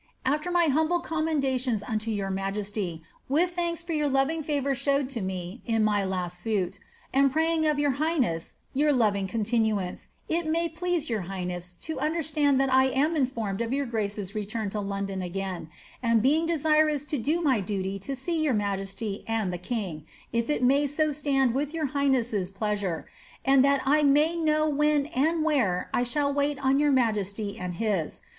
* After my humble commendations unto your majesty ^ with thanks for jronr iriog (avnur showed to me in my last suit, and praying of yowr kighne$s your iriBir continuance, it may please your highnett to understand that I am informed (your grare't return to London again, and being desirous to do my duty to see Mr miafeMty and the king, if it may so stand with your tdghneu' pleasure, and W I may know when and where I shall wait on your majetty and Atf.